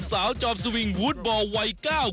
สาวจอบซวิงวูดบอลวัยก้าว